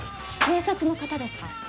警察の方ですか？